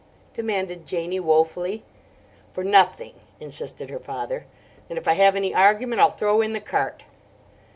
demanded Janie woefully. "For nothing," insisted her father. "And if I have any argument, I'll throw in the cart."